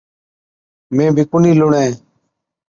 مين بِي ڪونهِِي لُڻَين۔